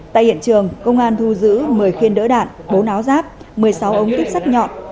tại hiện trường công an thu giữ một mươi khiên đỡ đạn bốn náo rác một mươi sáu ống tích sắt nhọn